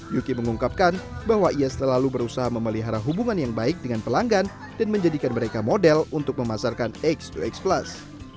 yuki mengungkapkan bahwa ia selalu berusaha memelihara hubungan yang baik dengan pelanggan dan menjadikan mereka model untuk memasarkan x dua x plus